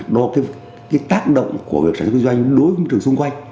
đo cái tác động của việc sản xuất doanh đối với môi trường xung quanh